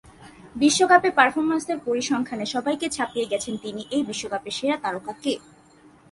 বিশ্বকাপে পারফরম্যান্সের পরিসংখ্যানে সবাইকে ছাপিয়ে গেছেন তিনি এই বিশ্বকাপের সেরা তারকা কে?